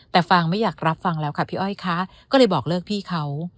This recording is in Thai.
แต่ฟางไม่อยากรับฟังแล้วค่ะพี่อ้อยคะก็เลยบอกเลิกพี่เขา